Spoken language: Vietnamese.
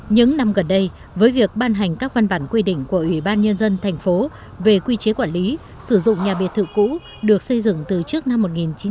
những năm gần đây với việc ban hành các văn bản quy định của ủy ban nhân dân thành phố về quy chế quản lý sử dụng nhà biệt thự cũ được xây dựng từ trước năm một nghìn chín trăm bảy mươi năm